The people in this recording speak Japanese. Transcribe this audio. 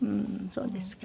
そうですか。